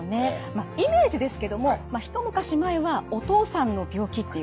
まあイメージですけども一昔前はお父さんの病気っていう感じがありましたよね。